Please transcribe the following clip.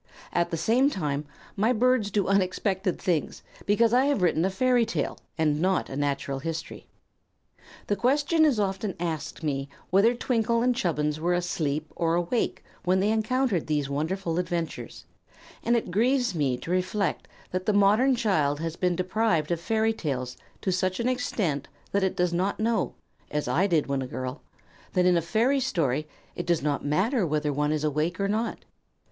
At the same time my birds do unexpected things, because I have written a fairy tale and not a natural history. The question is often asked me whether Twinkle and Chubbins were asleep or awake when they encountered these wonderful adventures; and it grieves me to reflect that the modern child has been deprived of fairy tales to such an extent that it does not know as I did when a girl that in a fairy story it does not matter whether one is awake or not.